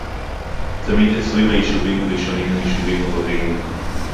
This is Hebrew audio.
תמיד עשרים היישובים הראשונים הם יישובים ערביים